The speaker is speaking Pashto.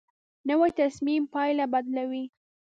نوې تصمیم پایله بدلوي